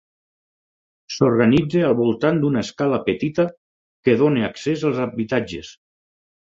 S'organitza al voltant d'una escala petita que dóna accés als habitatges.